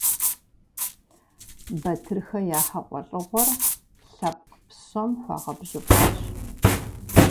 Батырхэ я хьэгъуэлӀыгъуэр лъэпкъ псом хуагъэбжьыфӀащ.